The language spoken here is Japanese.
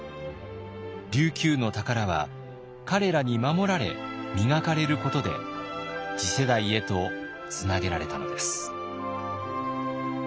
琉球の宝は彼らに守られ磨かれることで次世代へとつなげられたのです。